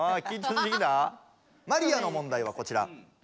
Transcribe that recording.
マリアの問題はこちら。